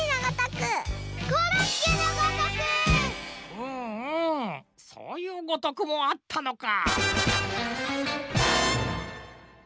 うんうんそういう「ごとく」もあったのか。